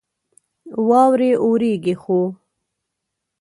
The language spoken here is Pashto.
واورې اوريږي ،خو